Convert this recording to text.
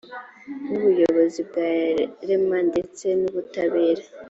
n ubuyobozi bwa rema ndetse n ubutabera